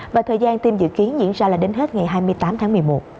và thời gian tiêm dự kiến diễn ra là đến hết ngày hai mươi tám tháng một mươi một